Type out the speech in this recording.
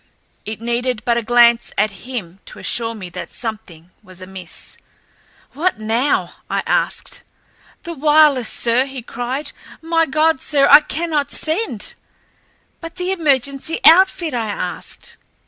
It needed but a glance at him to assure me that something was amiss. "What now?" I asked. "The wireless, sir!" he cried. "My God, sir, I cannot send." "But the emergency outfit?" I asked.